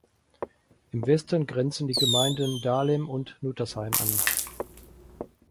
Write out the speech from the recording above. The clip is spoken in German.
Im Westen grenzen die Gemeinden Dahlem und Nettersheim an.